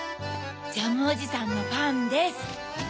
ジャムおじさんのパンです。